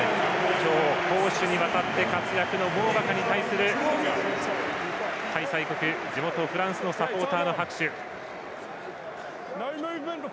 今日、攻守にわたって活躍モーバカに対する開催国地元フランスのサポーターの拍手。